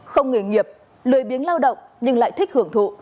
không nghề nghiệp lười biếng lao động nhưng lại thích hưởng thụ